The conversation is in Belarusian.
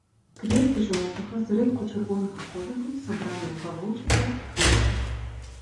Кветкі жоўтага, зрэдку чырвонага колеру, сабраныя ў галоўчатыя суквецці.